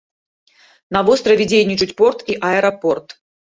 На востраве дзейнічаюць порт і аэрапорт.